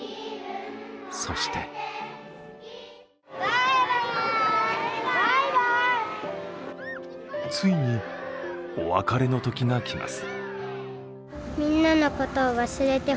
そしてついに、お別れの時がきます。